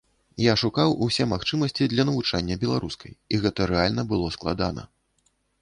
Я шукаў усе магчымасці для навучання беларускай, і гэта рэальна было складана.